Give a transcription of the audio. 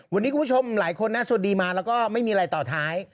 วันนี้คุณผู้ชมหลายคนน่าสวัสดีมาแล้วก็ไม่มีอะไรต่อท้าย